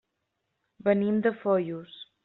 Venim de Foios.